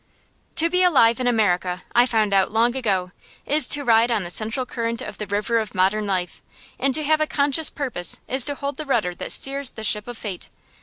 To be alive in America, I found out long ago, is to ride on the central current of the river of modern life; and to have a conscious purpose is to hold the rudder that steers the ship of fate.